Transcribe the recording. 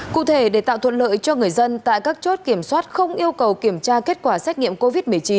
cụ thể để tạo thuận lợi cho người dân tại các chốt kiểm soát không yêu cầu kiểm tra kết quả xét nghiệm covid một mươi chín